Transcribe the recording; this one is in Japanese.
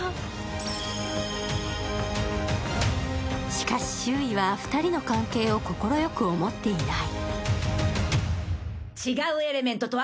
しかし周囲は２人の関係を快く思っていない。